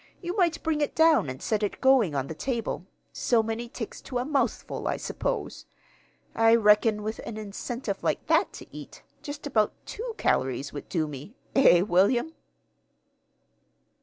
You might bring it down and set it going on the table so many ticks to a mouthful, I suppose. I reckon, with an incentive like that to eat, just about two calories would do me. Eh, William?"